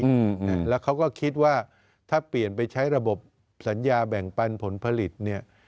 อืมนะแล้วเขาก็คิดว่าถ้าเปลี่ยนไปใช้ระบบสัญญาแบ่งปันผลผลิตเนี่ย